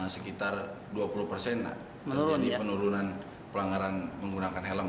sekitar dua puluh persen menurun pelanggaran menggunakan helm